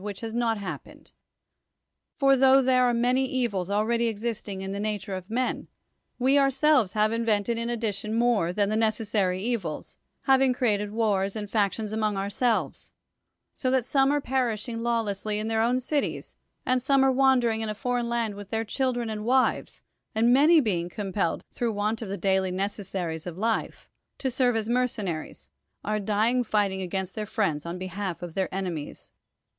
whii h has li'^t happened? — for, tho Ihere are many evils already exisling in 1he nature of ma.n. v:(' ourselves have invent(>d in addilinn nmi'e than the ncK essary evils, having ci e^aled Avars and factions amonu' ourselves, so Ihat some are perishing bns'jessly in their own cities, and some are wanderinir in a foreiim land with their chil 117 THE WORLD'S FAMOUS ORATIONS (Iren and wives, and many being compelled, through want of the daily necessaries of life, to serve as mercenaries, are dying fighting against their friends on behalf of their enemies.